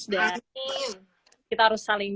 dan kita harus saling